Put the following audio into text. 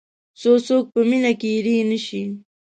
څو څوک په مینه کې اېرې نه شي.